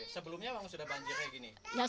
sebelumnya memang sudah banjir kayak gini